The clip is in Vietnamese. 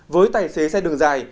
với tài xế xe đường dài